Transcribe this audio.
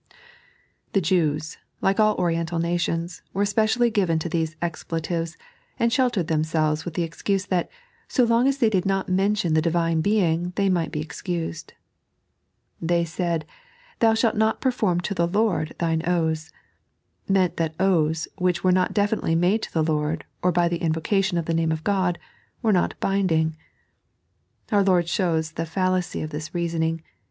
The Jews, like all Oriental nations, were especially given to these expletives, and sheltered themselves with the excuse that, so long as they did not mention the Divine Being, they might be excused. They said, "Thou shalt perform to ike Lord thine oaths " meant that oaths which were not definitely made to the Lord, or by the invocation of the name of God, were not binding. Our Lord shows the fallacy of this reasoning.